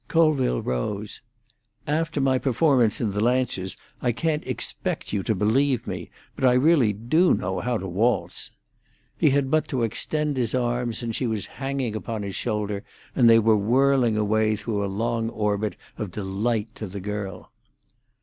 Colville rose. "After my performance in the Lancers, I can't expect you to believe me; but I really do know how to waltz." He had but to extend his arms, and she was hanging upon his shoulder, and they were whirling away through a long orbit of delight to the girl.